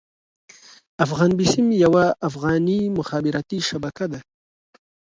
افغان بيسيم يوه افغاني مخابراتي شبکه ده.